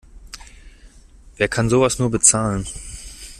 Wer kann sowas nur bezahlen?